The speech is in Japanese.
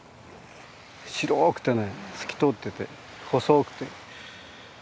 白くてね透き通ってて細くて。